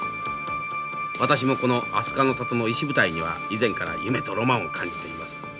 私もこの飛鳥の里の石舞台には以前から夢とロマンを感じています。